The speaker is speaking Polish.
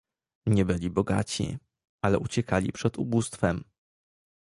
Nie byli bogaci, ale uciekali przed ubóstwem